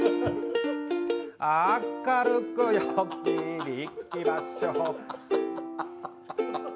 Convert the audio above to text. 明るく、陽気に、いきましょう。